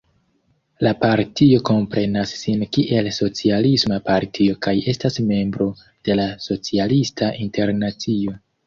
La partio komprenas sin kiel socialisma partio kaj estas membro de la Socialista Internacio.